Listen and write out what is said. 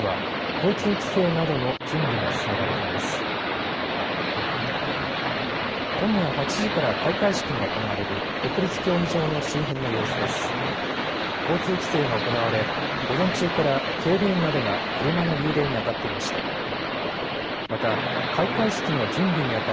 交通規制が行われ、午前中から警備員などが、車の誘導にあたっていました。